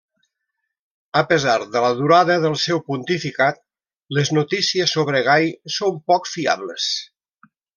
A pesar de la durada del seu pontificat, les notícies sobre Gai són poc fiables.